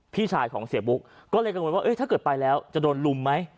พี่ชายของเสียบุ๊กก็เลยกังวลว่าถ้าเกิดไปแล้วจะโดนลุมไหม